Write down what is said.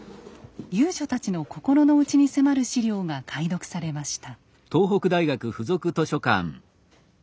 遊女たちの心の内に迫る史料が解読されました。